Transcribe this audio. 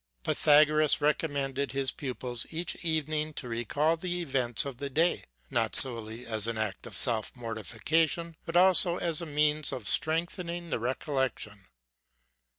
Pythagoras recom mended his pupils each evening to recall the events of the day, not solely as an act of self mortification, but also as a means of strengthening the recollection.